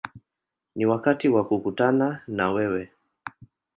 Ni wakati wa kukutana na wewe”.